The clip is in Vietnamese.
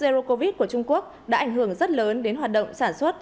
zero covid của trung quốc đã ảnh hưởng rất lớn đến hoạt động sản xuất